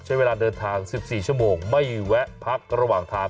ใช้เวลาเดินทาง๑๔ชั่วโมงไม่แวะพักระหว่างทาง